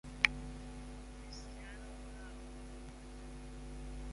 This arch only conveys water when the island gets submerged.